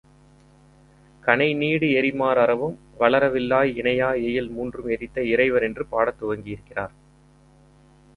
கணை நீடு எரிமார் அரவம் வலரவில்லாய் இணையா எயில் மூன்றும் எரித்த இறைவர் என்று பாடத்துவங்கியிருக்கிறார்.